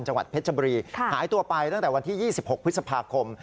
จังหวัดเพชรบุรีหายตัวไปตั้งแต่วันที่๒๖พฤษภาคม